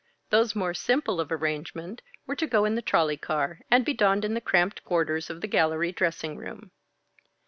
Those more simple of arrangement were to go in the trolley car, and be donned in the cramped quarters of the gallery dressing room.